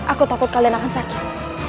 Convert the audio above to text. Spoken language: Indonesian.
aku takut kalian akan sakit